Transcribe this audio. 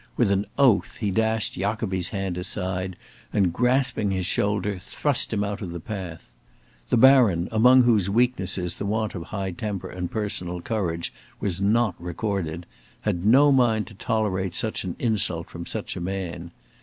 With an oath he dashed Jacobi's hand aside, and, grasping his shoulder, thrust him out of the path. The Baron, among whose weaknesses the want of high temper and personal courage was not recorded, had no mind to tolerate such an insult from such a man.